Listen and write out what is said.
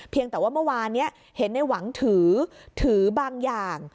เพียงแต่ว่าเมื่อวานเนี่ยเห็นนายหวังถือบางอย่าง